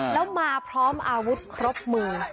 แล้วมาพร้อมอาวุธครบมือ